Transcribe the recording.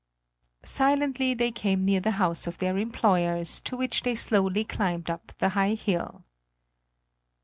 Silently they came near the house of their employers, to which they slowly climbed up the high hill.